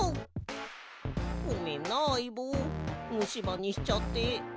ごめんなあいぼうむしばにしちゃって。